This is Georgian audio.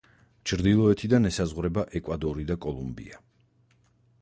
ჩრდილოეთიდან ესაზღვრება ეკვადორი და კოლუმბია.